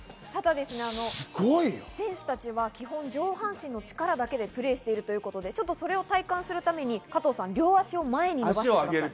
選手たちは基本、上半身の力だけでプレーしているということで、それを体感するために、ちょっと足を前に。